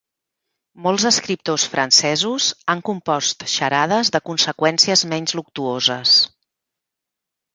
Molts escriptors francesos han compost xarades de conseqüències menys luctuoses.